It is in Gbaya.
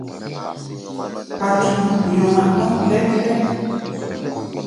Paturu nyɔŋa nɔ́ lɛ́t-lɛ́t.